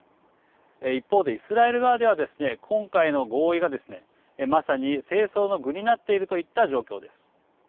一方でイスラエル側ではですね今回の合意がですねまさに政争の具になっているといった状況です。